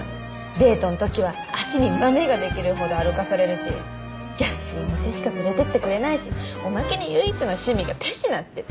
デートんときは足にまめが出来るほど歩かされるし安い店しか連れてってくれないしおまけに唯一の趣味が手品って。